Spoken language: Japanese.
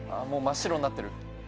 もう真っ白になってる。